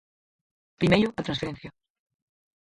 Primeiro, a transferencia.